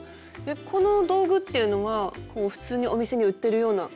この道具っていうのはこう普通にお店に売ってるような。